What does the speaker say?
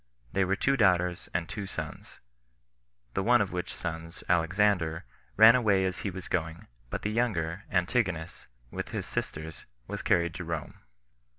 They were two daughters and two sons; the one of which sons, Alexander, ran away as he was going; but the younger, Antigonus, with his sisters, were carried to Rome.